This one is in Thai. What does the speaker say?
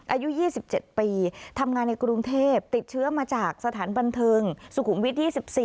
อายุ๒๗ปีทำงานในกรุงเทพติดเชื้อมาจากสถานบันเทิงสุขุมวิท๒๔